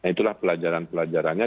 nah itulah pelajaran pelajarannya